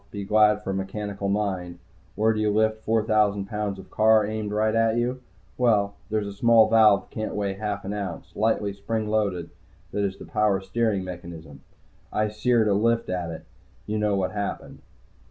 Be glad for a mechanical mind. Where do you lift four thousand pounds of car aimed right at you? Well, there is a small valve, can't weigh half an ounce, lightly spring loaded, that is in the power steering mechanism. I seared a lift at it. You know what happened.